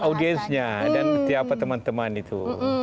audiensenya dan setiap teman teman itu